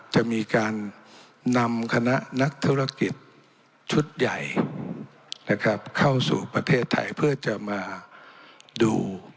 จะมีการนำคณะนักธุรกิจชุดใหญ่นะครับเข้าสู่ประเทศไทยเพื่อจะมาดู